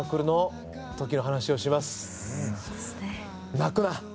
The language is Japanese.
泣くな。